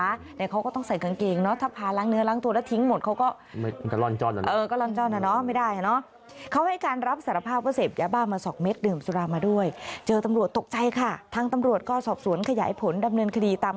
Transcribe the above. เนี่ยเขาก็ต้องใส่กางเกงเนาะถ้าพาล้างเนื้อล้างตัวแล้วทิ้งหมดเขาก็